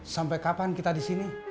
sampai kapan kita disini